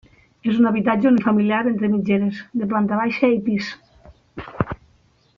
És un habitatge unifamiliar entre mitgeres, de planta baixa i pis.